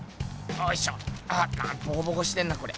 おいしょボコボコしてんなこれ。